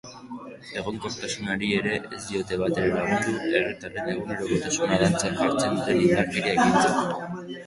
Egonkortasunari ere ez diote batere lagundu herritarren egunerokotasuna dantzan jartzen duten indarkeria ekintzek.